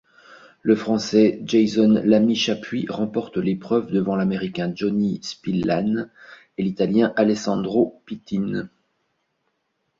Le Français Jason Lamy-Chappuis remporte l'épreuve devant l'Américain Johnny Spillane et l'Italien Alessandro Pittin.